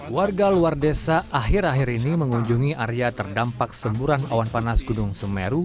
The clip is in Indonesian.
warga luar desa akhir akhir ini mengunjungi area terdampak semburan awan panas gunung semeru